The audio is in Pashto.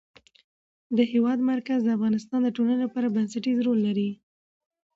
د هېواد مرکز د افغانستان د ټولنې لپاره بنسټيز رول لري.